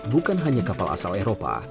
bukan hanya kapal asal eropa